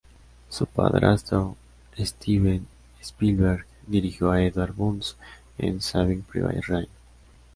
Su padrastro, Steven Spielberg, dirigió a Edward Burns en "Saving Private Ryan".